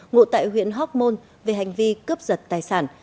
ngụ tại huyện hóc môn về hành vi cướp giật tài sản